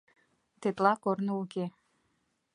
— Тетла корно уке.